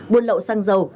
buôn lậu xăng dầu